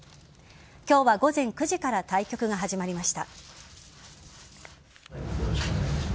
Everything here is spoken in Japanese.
今日は午前９時から対局が始まりました。